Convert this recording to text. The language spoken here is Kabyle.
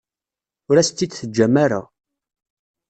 Ur as-tt-id-teǧǧam ara.